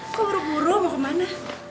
kok buru buru mau kemana